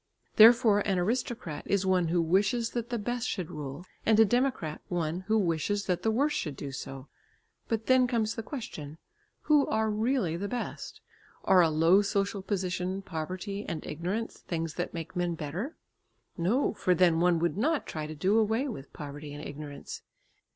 Therefore an aristocrat is one who wishes that the best should rule and a democrat one who wishes that the worst should do so. But then comes the question: Who are really the best? Are a low social position, poverty and ignorance things that make men better? No, for then one would not try to do away with poverty and ignorance.